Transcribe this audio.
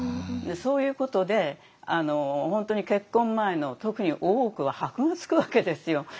そういうことで本当に結婚前の特に大奥は箔が付くわけですよ。